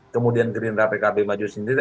kemudian green rapi kb maju sendiri